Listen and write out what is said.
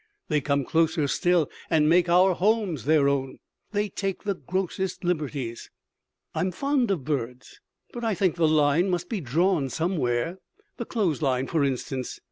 They come closer still, and make our homes their own. They take the grossest liberties. I am fond of birds, but I think the line must be drawn somewhere. The clothes line, for instance.